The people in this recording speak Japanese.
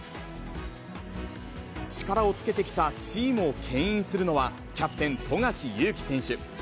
力をつけてきたチームをけん引するのは、キャプテン、富樫勇樹選手。